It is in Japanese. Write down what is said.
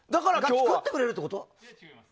作ってくれるってこと？